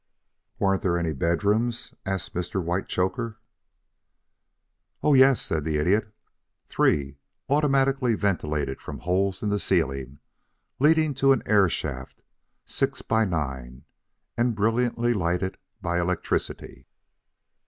"Weren't there any bedrooms?" asked Mr. Whitechoker. "Oh yes," said the Idiot. "Three, automatically ventilated from holes in the ceiling leading to an air shaft, size six by nine, and brilliantly lighted by electricity.